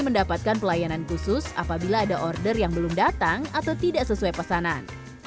mendapatkan pelayanan khusus apabila ada order yang belum datang atau tidak sesuai pesanan